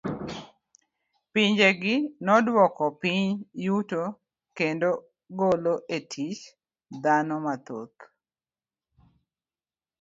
Pinje gi noduoko piny yuto kendo golo e tich dhano mathoth.